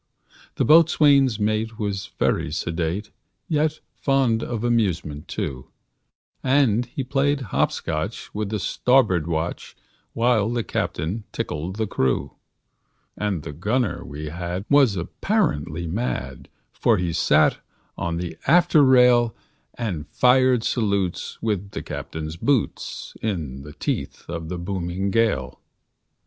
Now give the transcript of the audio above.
The boatswain's mate was very sedate, Yet fond of amusement, too; And he played hop scotch with the starboard watch, While the captain tickled the crew. And the gunner we had was apparently mad, For he sat on the after rail, And fired salutes with the captain's boots, In the teeth of the booming gale.